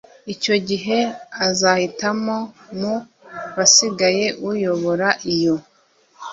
icyo gihe azahitamo mu basigaye uyobora iyo